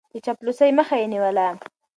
د چاپلوسۍ مخه يې نيوله.